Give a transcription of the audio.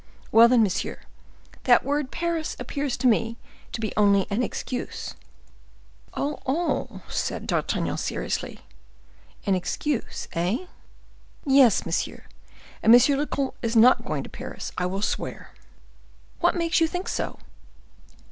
"Well, then, monsieur, that word Paris appears to me to be only an excuse." "Oh, oh!" said D'Artagnan, seriously, "an excuse, eh?" "Yes, monsieur: and monsieur le comte is not going to Paris, I will swear." "What makes you think so?"